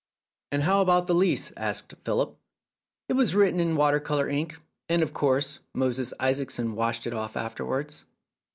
"And how about the lease? " asked Philip. "It was written in water colour ink, and, of course, Moses Isaacson washed it off afterwards."